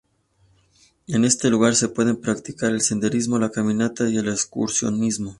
En este lugar se pueden practicar el senderismo, la caminata y el excursionismo.